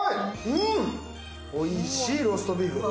うん、おいしいローストビーフ。